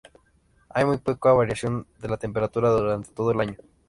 Hay muy poca variación de la temperatura durante todo el año.